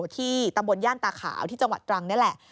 ที่ตำบลย่านตาขาวที่จังหวัดตรังนี่แหละ